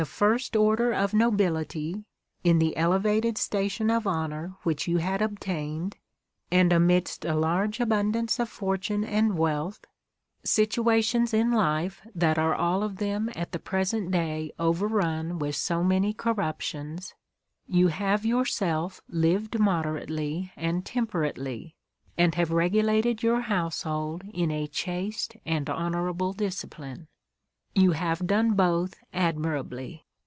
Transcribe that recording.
St order of nobility, in the elevated station of honour which you had obtained, and amidst a large abundance of fortune and wealth, (situations in life that are all of them at the present day overrun with so many corruptions,) you have yourself lived moderately and temperately, and have regu lated your household in a chaste and honourable discipline. You have done both admirably.